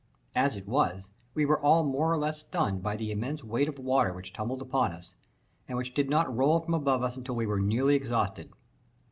As it was, we were all more or less stunned by the immense weight of water which tumbled upon us, and which did not roll from above us until we were nearly exhausted.